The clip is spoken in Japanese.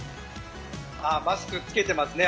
マスク、つけてますね。